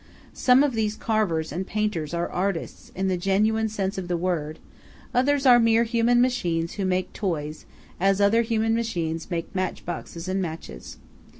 Some of these carvers and painters are artists, in the genuine sense of the word; others are mere human machines who make toys, as other human machines make match boxes and matches.